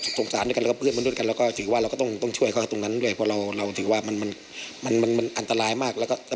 คือครั้งแรกคือเอาชีวิตของคนก่อน